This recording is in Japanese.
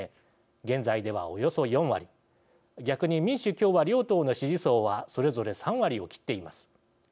現在では、およそ４割逆に民主・共和両党の支持層はそれぞれ３割を切っています。